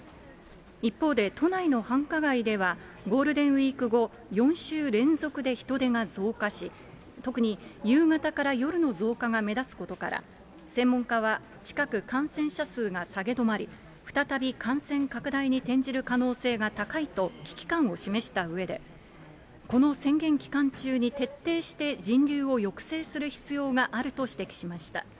一方で、都内の繁華街ではゴールデンウィーク後、４週連続で人出が増加し、特に夕方から夜の増加が目立つことから、専門家は、近く、感染者数が下げ止まり、再び感染拡大に転じる可能性が高いと危機感を示したうえで、この宣言期間中に徹底して人流を抑制する必要があると指摘しました。